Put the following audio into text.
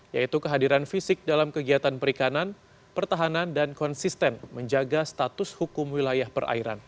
yaitu kehadiran fisik dalam kegiatan perikanan pertahanan dan konsisten menjaga status hukum wilayah perairan